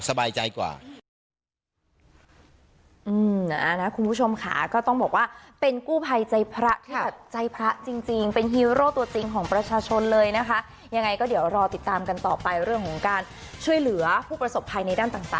สบายใจกว่า